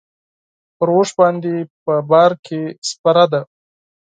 پر اوښ باندې په بار کې سپره ده.